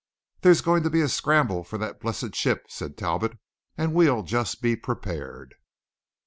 "There's going to be a scramble for that blessed ship," said Talbot; "and we'll just be prepared."